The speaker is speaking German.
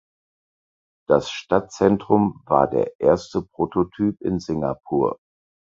Das Stadtzentrum war der erste Prototyp in Singapur.